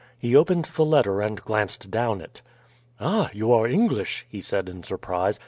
He opened the letter and glanced down it. "Ah! you are English," he said in surprise.